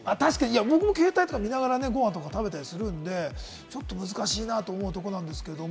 僕も携帯見ながらご飯食べたりするので、難しいなと思うところなんですけど。